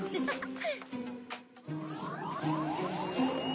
ハハハハハ。